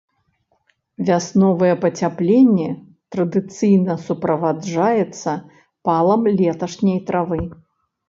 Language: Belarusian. Вясновае пацяпленне традыцыйна суправаджаецца палам леташняй травы.